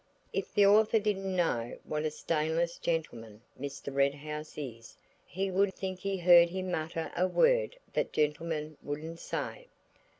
If the author didn't know what a stainless gentleman Mr. Red House is he would think he heard him mutter a word that gentlemen wouldn't say.